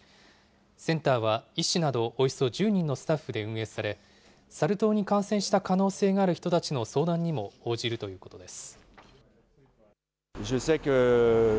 センターは医師などおよそ１０人のスタッフで運営され、サル痘に感染した可能性がある人たちの相談にも応じるということです。